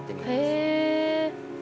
へえ。